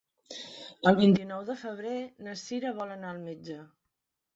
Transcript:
El vint-i-nou de febrer na Cira vol anar al metge.